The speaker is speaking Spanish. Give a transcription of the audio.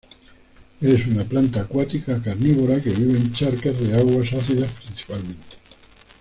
Es una planta acuática carnívora, que vive en charcas de aguas ácidas principalmente.